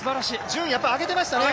順位上げていましたね